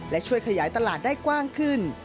และช่วยขยายตลาดได้กว้างขึ้น